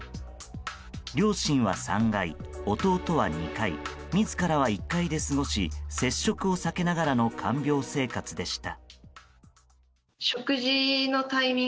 両親は３階、弟は２階自らは１階で過ごし接触を避けながらの看病生活でした。